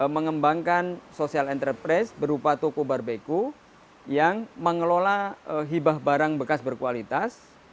mengembangkan social enterprise berupa toko barbeku yang mengelola hibah barang bekas berkualitas